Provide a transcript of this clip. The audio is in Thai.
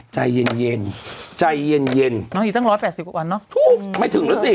ใจเย็นเย็นใจเย็นเย็นน้องอยู่ตั้งร้อยแปดสิบกว่าวันเนอะถูกไม่ถึงแล้วสิ